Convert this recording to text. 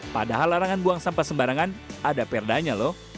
padahal larangan buang sampah sembarangan ada perdanya loh